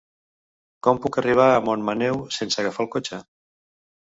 Com puc arribar a Montmaneu sense agafar el cotxe?